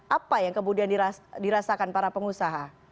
apa yang kemudian dirasakan para pengusaha